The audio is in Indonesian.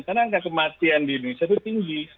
karena angka kematian di indonesia itu tinggi